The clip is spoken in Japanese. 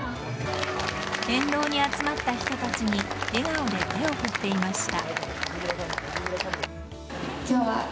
沿道に集まった人たちに笑顔で手を振っていました。